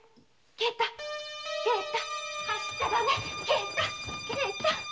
圭太圭太。